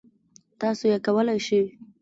تاسو یې کولای شی.